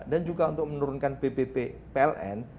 dan juga untuk menurunkan bbb pln